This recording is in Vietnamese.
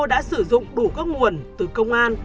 đã sử dụng đủ các nguồn từ công an